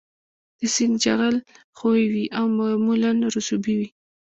د سیند جغل ښوی وي او معمولاً رسوبي وي